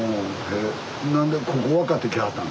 何でここ分かって来はったの？